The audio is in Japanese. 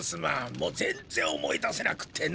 もう全ぜん思い出せなくてな。